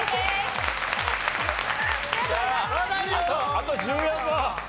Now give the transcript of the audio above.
あと１４問。